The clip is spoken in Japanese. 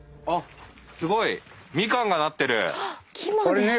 すごい！みかんがなってる。